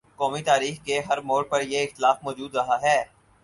قومی تاریخ کے ہر موڑ پر یہ اختلاف مو جود رہا ہے۔